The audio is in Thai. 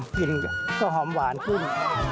กินก็หอมหวานขึ้น